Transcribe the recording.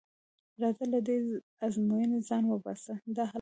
راځه له دې ازموینې ځان وباسه، دا هلک لغمانی دی.